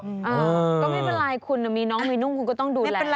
ก็ไม่เป็นไรคุณมีน้องมีนุ่งคุณก็ต้องดูแล